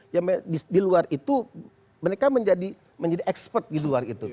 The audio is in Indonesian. ya di luar itu mereka menjadi expert di luar itu